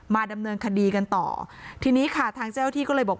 ดำเนินคดีกันต่อทีนี้ค่ะทางเจ้าที่ก็เลยบอก